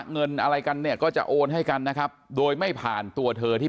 เงินอะไรกันเนี่ยก็จะโอนให้กันนะครับโดยไม่ผ่านตัวเธอที่